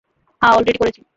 হ্যাঁ, অলরেডি করেছি।